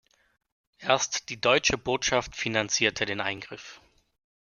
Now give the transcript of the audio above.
Erst die deutsche Botschaft finanzierte den Eingriff.